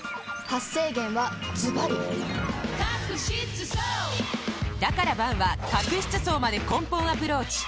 発生源はズバリだから「Ｂａｎ」は角質層まで根本アプローチ！